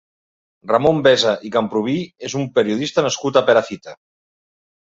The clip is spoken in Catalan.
Ramon Besa i Camprubí és un periodista nascut a Perafita.